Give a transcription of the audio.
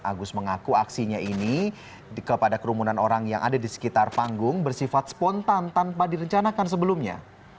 agus mengaku aksinya ini kepada kerumunan orang yang ada di sekitar panggung bersifat spontan tanpa direncanakan sebelumnya